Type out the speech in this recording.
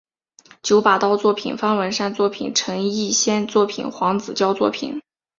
九把刀作品方文山作品陈奕先作品黄子佼作品